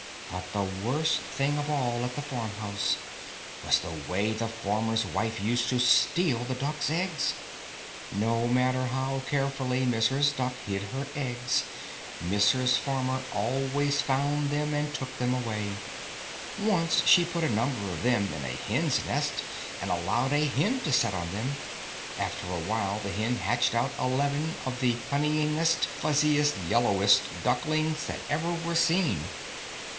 But the worst thing of all at the farmhouse was the way the farmer's wife used to steal the duck's eggs. No matter how carefully Mrs. Duck hid her eggs, Mrs. Farmer always found them and took them away. Once she put a number of them in a hen's nest, and allowed a hen to set on them. After a while the hen hatched out eleven of the cunningest, fuzziest, yellowest ducklings that ever were seen.